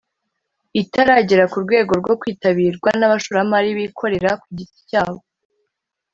itaragera ku rwego rwo kwitabirwa n'abashoramari bikorera ku giti cyabo.